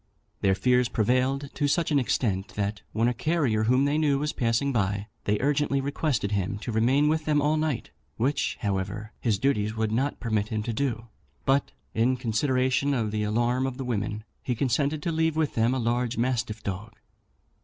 Their fears prevailed to such an extent, that, when a carrier whom they knew was passing by, they urgently requested him to remain with them all night, which, however, his duties would not permit him to do; but, in consideration of the alarm of the women, he consented to leave with them a large mastiff dog.